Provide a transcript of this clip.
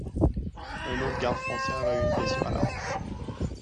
Un autre garde-frontière a eu une blessure à la hanche.